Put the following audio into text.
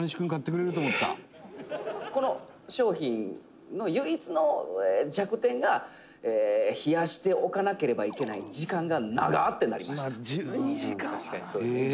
「この商品の唯一の弱点が冷やしておかなければいけない時間が長っ！ってなりました」